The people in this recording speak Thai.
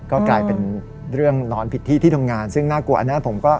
ก็กลายเป็นเรื่องนอนผิดที่ที่ทำงานซึ่งน่ากลัวอันนี้ผมก็